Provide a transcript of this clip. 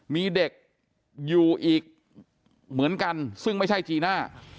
มีเด็กอยู่อีกเหมือนกันซึ่งไม่ใช่จีน่า